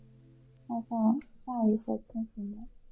迈向下一个千禧年